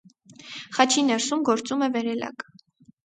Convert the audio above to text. Խաչի ներսում գործում է վերելակ։